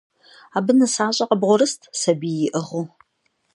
Абы нысащӏэ къыбгъурыст сабий иӏыгъыу.